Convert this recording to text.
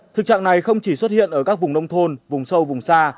thực trạng này không chỉ xuất hiện ở các vùng nông thôn vùng sâu vùng xa